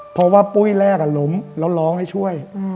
เพราะว่าปุ้ยแรกล้มแล้วร้องให้ช่วย